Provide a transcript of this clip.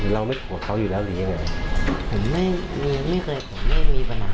เราไม่โกรธเขาอยู่แล้วหรือยังไงผมไม่มีไม่เคยผมไม่มีปัญหา